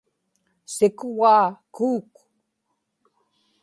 sikugaa kuuk